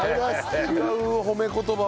違う褒め言葉を。